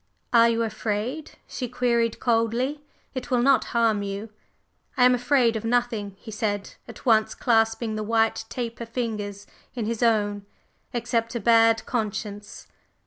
"Are you afraid?" she queried coldly. "It will not harm you!" "I am afraid of nothing," he said, at once clasping the white taper fingers in his own, "except a bad conscience."